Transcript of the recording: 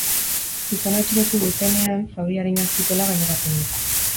Gizona atxilotu dutenean zauri arinak zituela gaineratu du.